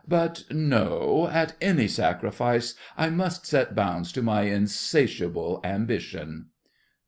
But no, at any sacrifice, I must set bounds to my insatiable ambition!